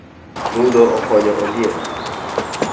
Mudho okonyo ondiek